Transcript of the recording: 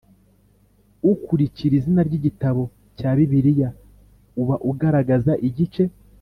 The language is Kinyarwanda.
ukurikira izina ry igitabo cya Bibiliya uba ugaragaza igice